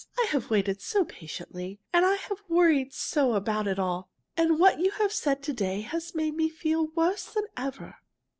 I have waited so patiently, and I have worried so about it all. And what you have said to day has made me feel worse than ever."